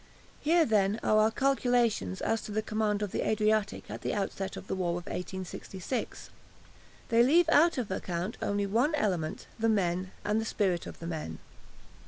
Here, then, are our calculations as to the command of the Adriatic at the outset of the war of 1866. They leave out of account only one element the men, and the spirit of the men.